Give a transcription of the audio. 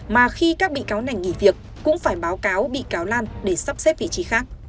mà khi các bị cáo này nghỉ việc cũng phải báo cáo bị cáo lan để sắp xếp vị trí khác